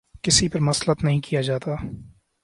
کسی پر مسلط نہیں کیا جاتا۔